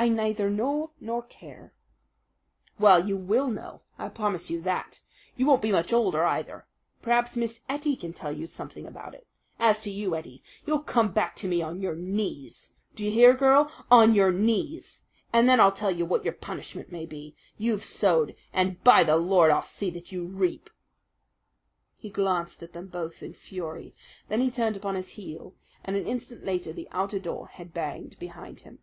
"I neither know nor care!" "Well, you will know, I'll promise you that. You won't be much older, either. Perhaps Miss Ettie can tell you something about it. As to you, Ettie, you'll come back to me on your knees d'ye hear, girl? on your knees and then I'll tell you what your punishment may be. You've sowed and by the Lord, I'll see that you reap!" He glanced at them both in fury. Then he turned upon his heel, and an instant later the outer door had banged behind him.